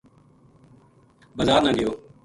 بزار نا گیو۔